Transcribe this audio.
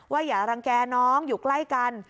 อย่ารังแก่น้องอยู่ใกล้กัน